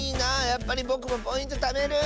やっぱりぼくもポイントためる！